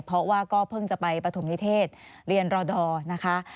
เพราะว่าก็เพิ่งจะไปปฐมนิเทศเรียนรอดอร์นะคะ